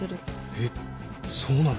えっそうなの？